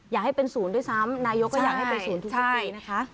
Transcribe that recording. อยากให้เป็นศูนย์ด้วยซ้ำนายกก็อยากให้เป็นศูนย์ทุกปีนะคะ